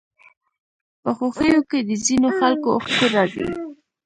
په خوښيو کې د ځينو خلکو اوښکې راځي.